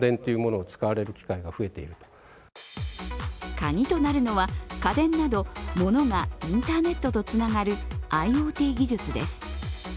カギとなるのは、家電など、ものがインターネットとつながるＩｏＴ技術です。